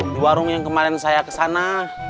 di warung yang kemarin saya kesana